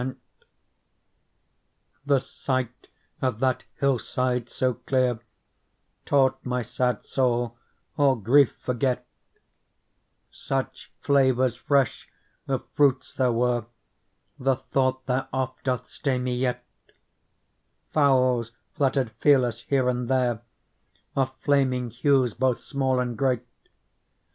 Digitized by Google PEARL The sight of that hillside so clear Taught my sad soul all grief forget ; Such flavours fresh of fruits there were, The thought thereof doth stay me yet ; Fowls fluttered fearless here and there, Of flaming hues, both small and great.